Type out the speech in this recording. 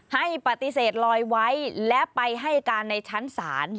ให้ปฏิเสธลอยไว้และไปให้การในชั้นศาล